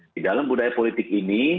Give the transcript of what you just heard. di dalam budaya politik ini